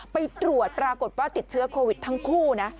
ไปตรวจปรากฏว่าติดเชื้อโควิดทั้งคู่นะ